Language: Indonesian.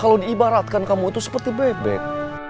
kalau diibaratkan kamu itu seperti bebek